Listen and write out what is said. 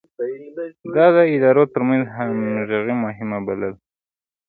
ده د ادارو ترمنځ همغږي مهمه بلله.